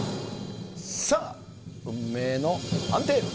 さあ、運命の判定。